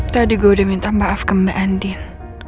tadi gue udah minta maaf ke mbak andil